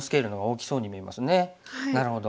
なるほど。